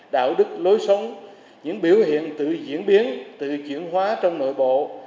đạo đức lối sống những biểu hiện tự diễn biến tự chuyển hóa trong nội bộ